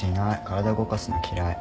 体動かすの嫌い。